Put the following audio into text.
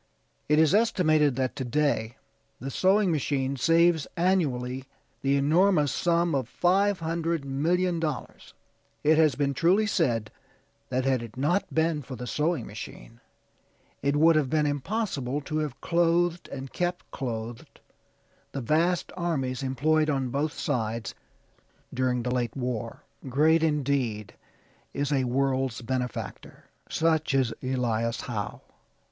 It is estimated that to day the sewing machine saves annually the enormous sum of $500,000,000. It has been truly said that had it not been for the sewing machine it would have been impossible to have clothed and kept clothed the vast armies employed on both sides during the late war. Great, indeed, is a world's benefactor; such is Elias Howe.